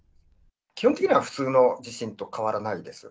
基本的には普通の地震と変わらないです。